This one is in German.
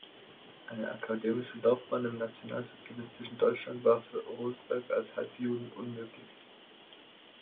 Eine akademische Laufbahn im nationalsozialistischen Deutschland war für Rosenberg als „Halbjuden“ unmöglich.